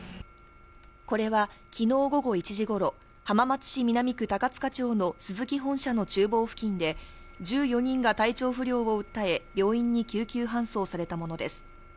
これは昨日午後１時頃、浜松市南区高塚町のスズキ本社の厨房付近で１４人が体調不良を訴え病院に救急搬送されたものです。